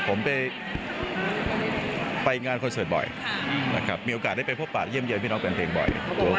ผมไปงานคอนเสิร์ทบ่อยมีโอกาสได้ไปพบปะเยี่ยมพี่น้องเพลงบ่อย